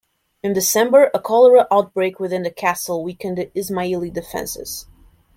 In December, a cholera outbreak within the castle weakened the Ismaili defences.